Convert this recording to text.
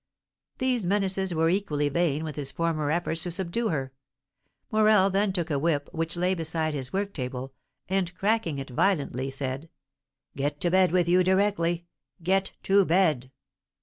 These menaces were equally vain with his former efforts to subdue her. Morel then took a whip which lay beside his work table, and, cracking it violently, said: "Get to bed with you directly! Get to bed!"